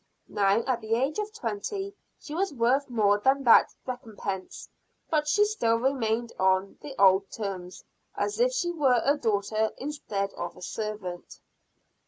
Now, at the age of twenty, she was worth more than that recompense; but she still remained on the old terms, as if she were a daughter instead of a servant.